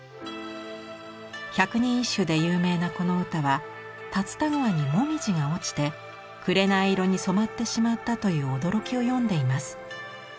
百人一首で有名なこの歌は龍田川に紅葉が落ちて紅色に染まってしまったという驚きを詠んでいます。